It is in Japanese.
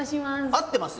合ってます？